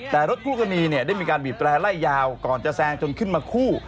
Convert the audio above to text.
แต่รถคู่กรณีเนี่ยได้มีการบีบแร่ไล่ยาวก่อนจะแซงจนขึ้นมาคู่